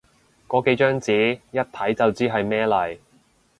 個幾張紙，一睇就知係咩嚟